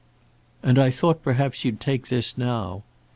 "And I thought perhaps you'd take this now."